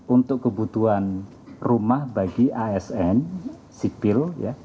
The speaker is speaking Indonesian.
untuk kebutuhan rumah bagi asn sipil